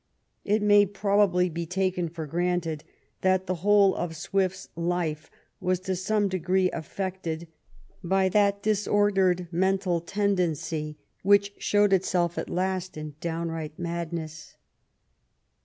It may probably be taken for granted that the whole of Swift's life was to some degree affected by that disordered mental tendency which showed itself at last in down right madness.